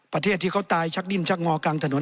ประเทศที่เขาตายชักดิ้นชักงอกลางถนน